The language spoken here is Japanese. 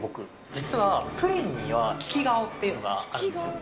実はプリンには利き顔っていうのがあるんですよ。